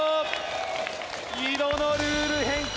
２度のルール変更